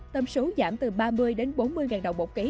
tâm số giảm từ ba mươi bốn mươi đồng một ký